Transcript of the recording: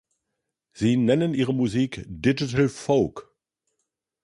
Sie nennen ihre Musik ‚Digital Folk‘.